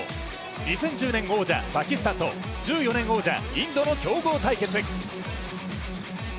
２０１０年王者、パキスタンと１４年王者、インドの強豪対決。